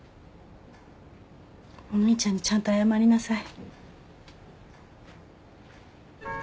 お兄ちゃんにちゃんと謝りなさい。